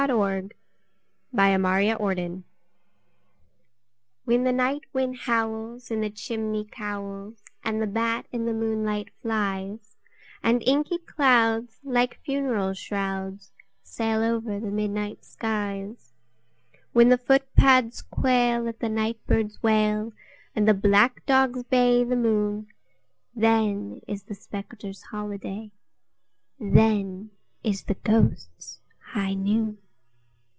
THE GHOSTS' HIGH NOON WHEN the night wind howls in the chimney cowls, and the bat in the moonlight flies, And inky clouds, like funeral shrouds, sail over the midnight skies— When the footpads quail at the night bird's wail, and black dogs bay the moon, Then is the spectres' holiday—then is the ghosts' high noon!